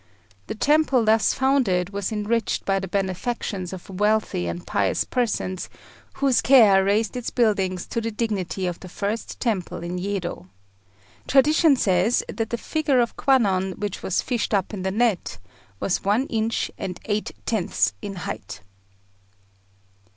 The temple thus founded was enriched by the benefactions of wealthy and pious persons, whose care raised its buildings to the dignity of the first temple in Yedo. Tradition says that the figure of Kwannon which was fished up in the net was one inch and eight tenths in height.